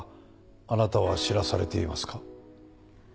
あなたは知らされていますか？